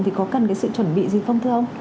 thì có cần cái sự chuẩn bị gì không thưa ông